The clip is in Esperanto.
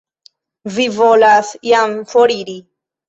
Vi volas jam foriri?